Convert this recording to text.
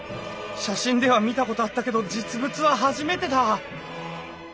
写真では見たことあったけど実物は初めてだ！